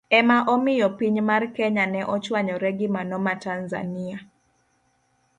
Ema omiyo piny mar Kenya ne ochwanyore gi mano mar Tanzania.